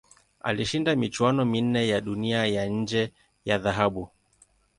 Alishinda michuano minne ya Dunia ya nje ya dhahabu.